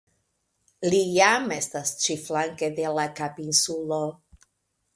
Li jam estas ĉi-flanke de la Kapinsulo.